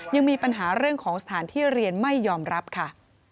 ยังมีปัญหาเรื่องของสถานที่เรียนไม่ยอมรับค่ะ